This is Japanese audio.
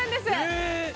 へえ！